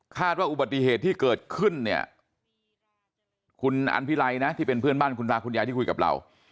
ว่าอุบัติเหตุที่เกิดขึ้นเนี่ยคุณอันพิไลนะที่เป็นเพื่อนบ้านคุณตาคุณยายที่คุยกับเรา